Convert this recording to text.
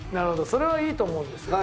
それはいいと思うんですよ。